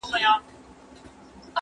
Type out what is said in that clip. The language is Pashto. زه مخکي اوبه پاکې کړې وې